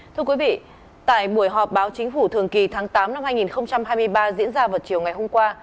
thưa quý vị tại buổi họp báo chính phủ thường kỳ tháng tám năm hai nghìn hai mươi ba diễn ra vào chiều ngày hôm qua